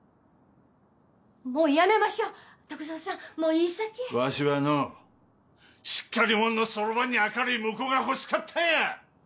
もうやめましょ篤蔵さんもういいさけわしはのうしっかりもんのそろばんに明るい婿がほしかったんや！